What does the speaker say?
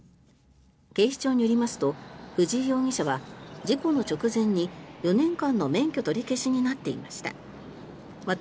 警視庁によりますと藤井容疑者は事故の直前に４年間の免許取り消しになっていました。